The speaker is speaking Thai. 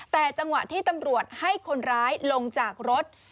แต่จังหวะที่ตำรวจให้คนร้ายลงจากรถ